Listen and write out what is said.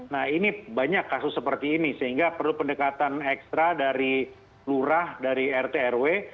nah ini banyak kasus seperti ini sehingga perlu pendekatan ekstra dari lurah dari rt rw